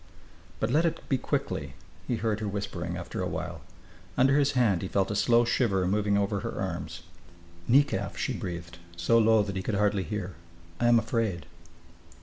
"But let it be quickly," he heard her whispering, after a while. Under his hand he felt a slow shiver moving over her arms. "Nekaf!" she breathed, so low that he could hardly hear. "I am afraid."